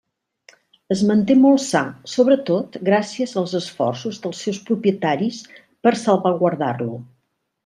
Es manté molt sa, sobretot gràcies als esforços dels seus propietaris per salvaguardar-lo.